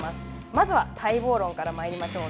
まずは待望論からまいりましょう。